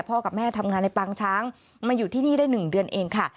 กับแม่ทำงานในปางช้างมาอยู่ที่นี่ได้๑เดือนเองค่ะ